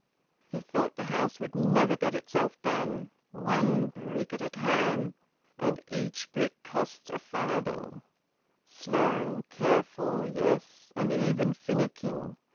He thought the house would never get itself done one brick at a time and each brick cost a farthing slow, careful; yes, and even finicking.